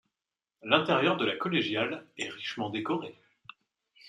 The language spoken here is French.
L'intérieur de la collégiale est richement décoré.